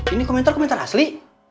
ini komentar komentar asli